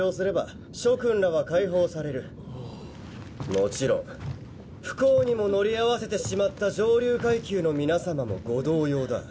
もちろん不幸にも乗り合わせてしまった上流階級の皆様もご同様だ。